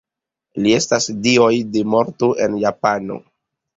Ili estas dioj de morto en Japanio.